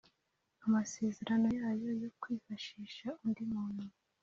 Amasezerano Yayo Yo Kwifashisha Undi Muntu